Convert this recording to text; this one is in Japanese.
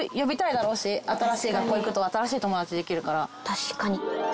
確かに。